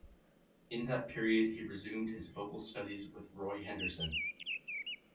In that period he resumed his vocal studies with Roy Henderson.